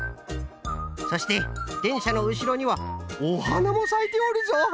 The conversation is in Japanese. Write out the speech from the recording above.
そしてでんしゃのうしろにはおはなもさいておるぞ！